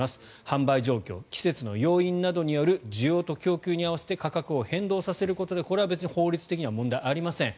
販売状況、季節の要因などによる需要と供給に合わせて価格を変動させることでこれは別に法律的には問題ありません。